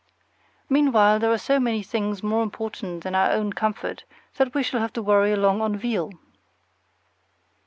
Meanwhile there are so many things more important than our own comfort that we shall have to worry along on veal.